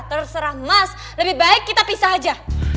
terserah emas lebih baik kita pisah aja